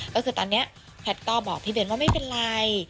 ก็คือตอนนี้แพทย์ก็บอกพี่เบนว่าไม่เป็นไร